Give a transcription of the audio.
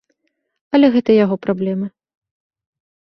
Але гэта яго праблемы.